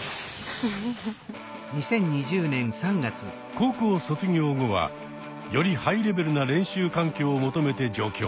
高校卒業後はよりハイレベルな練習環境を求めて上京。